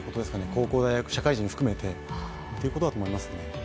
高校、大学、社会人含めてということだと思いますね。